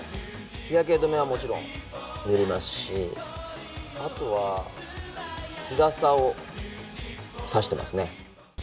日焼け止めはもちろん塗りますし、あとは日傘を差してますね。